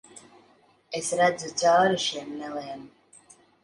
Es redzu cauri šiem meliem.